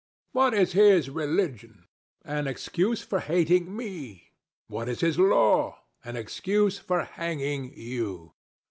What is his religion? An excuse for hating ME. What is his law? An excuse for hanging YOU.